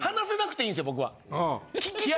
僕は。